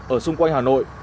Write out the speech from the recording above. ở xung quanh hà nội